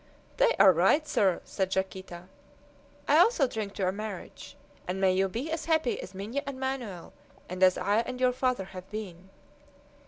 "They are right, sir," said Yaquita. "I also drink to your marriage, and may you be as happy as Minha and Manoel, and as I and your father have been!"